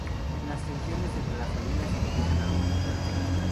Las tensiones entre las familias empiezan a aumentar.